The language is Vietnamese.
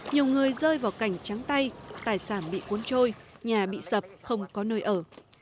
nhiều người rơi vào cảnh trắng tay tài sản bị cuốn trôi nhà bị sập không có nơi ở